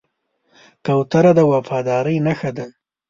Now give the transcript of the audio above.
کوتره د وفادارۍ نښه ده.